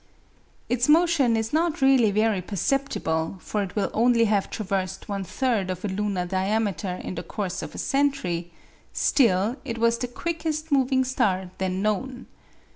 Its motion is not really very perceptible, for it will only have traversed one third of a lunar diameter in the course of a century; still it was the quickest moving star then known.